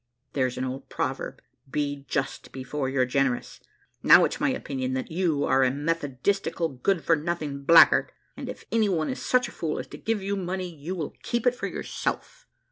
There's an old proverb Be just before you're generous. Now, it's my opinion, that you are a methodistical, good for nothing blackguard; and if any one is such a fool as to give you money, you will keep it for yourself."